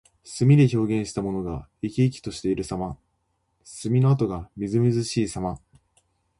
墨で表現したものが生き生きしているさま。墨の跡がみずみずしいさま。